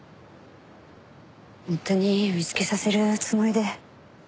夫に見つけさせるつもりで。